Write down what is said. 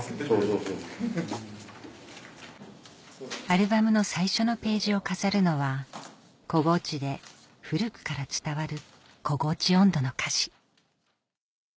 アルバムの最初のページを飾るのは小河内で古くから伝わる『小河内音頭』の歌詞